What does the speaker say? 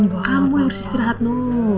kamu yang harus istirahat no